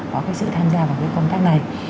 có cái sự tham gia vào cái công tác này